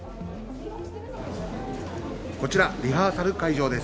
こちら、リハーサル会場です。